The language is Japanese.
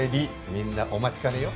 みんなお待ちかねよ。